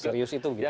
serius itu gitu ya